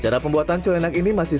cara pembuatan colenak ini masih